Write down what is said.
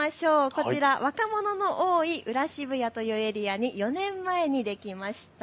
こちら、若者の多い裏渋谷というエリアに４年前にできました。